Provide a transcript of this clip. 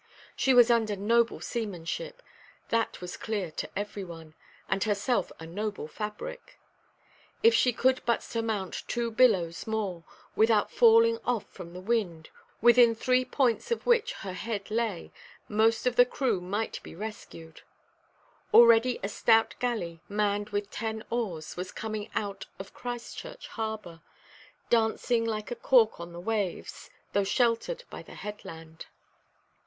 She was under noble seamanship, that was clear to every one, and herself a noble fabric. If she could but surmount two billows more, without falling off from the wind, within three points of which her head lay, most of the crew might be rescued. Already a stout galley, manned with ten oars, was coming out of Christchurch Harbour, dancing like a cork on the waves, though sheltered by the headland.